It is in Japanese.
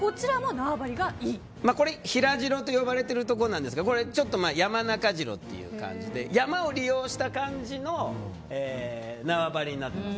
丸岡城は平城と呼ばれているところですがこっちは山中城という感じで山を利用した感じの縄張りになってます。